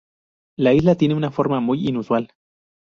La isla tiene una forma muy inusual.